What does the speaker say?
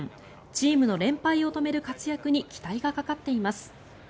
チームの連敗を止める活躍に期待がかかっています。